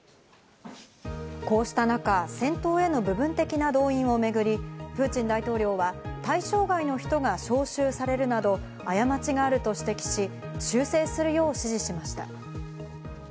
こうした中、戦闘への部分的な動員をめぐり、プーチン大統領は対象外の人が招集されるなど、過ちがあると指摘し、修正するよう指示しました。